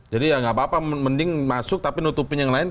jadi ya nggak apa apa mending masuk tapi nutupin yang lain